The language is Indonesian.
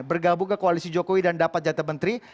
bergabung ke koalisi jokowi dan dapat jatah menteri